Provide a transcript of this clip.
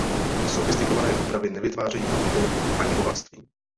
Sofistikované úpravy nevytvářejí hodnoty, ani bohatství.